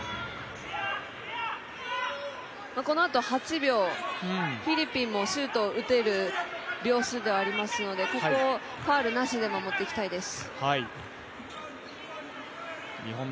このあと８秒フィリピンもシュートを打てる秒数でありますのでここをファウルなしで守っていきたいです。